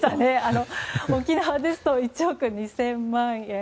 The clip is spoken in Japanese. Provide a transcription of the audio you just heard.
沖縄ですと１億２０００万円。